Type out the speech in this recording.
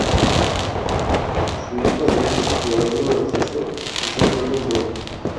Su hijo Adrian es un jugador de baloncesto, que está jugando en Brown.